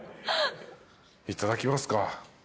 いただきますか。